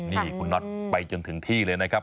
นี่คุณน็อตไปจนถึงที่เลยนะครับ